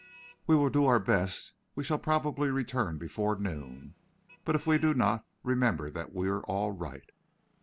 "We will do our best. We shall probably return before noon, but if we do not, remember that we are all right."